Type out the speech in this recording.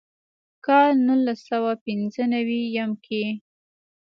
کال نولس سوه پينځۀ نوي يم کښې